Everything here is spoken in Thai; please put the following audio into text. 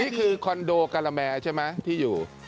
นี่คือคอนโดการาแมร์ใช่ไหมที่อยู่